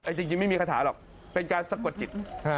จริงไม่มีคาถาหรอกเป็นการสะกดจิต